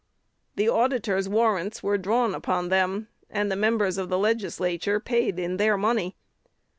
The auditor's warrants were drawn upon them, and the members of the Legislature paid in their money.